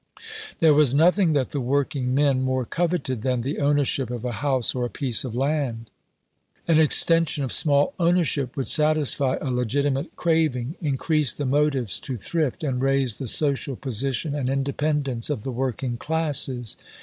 There was nothing that the working men more coveted than the ownership of a house or a piece of land. An extension of small ownership would satisfy a legitimate craving, increase the motives to thrift, and raise the social position and independence of the working classes.